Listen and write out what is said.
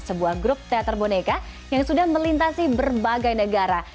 sebuah grup teater boneka yang sudah melintasi berbagai negara